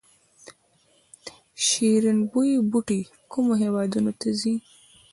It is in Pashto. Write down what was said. شیرین بویې بوټی کومو هیوادونو ته ځي؟